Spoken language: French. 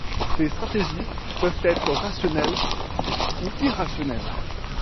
Ces stratégies peuvent être rationnelles ou irrationnelles.